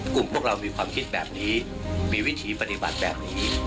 พวกเรามีความคิดแบบนี้มีวิธีปฏิบัติแบบนี้